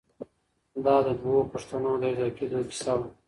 دا د دوو پښتنو د یو ځای کېدو کیسه وه.